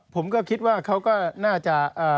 ผมก็คิดว่าเขาก็น่าจะ